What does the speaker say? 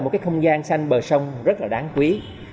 một cái không gian xanh bờ sông rất là đáng quý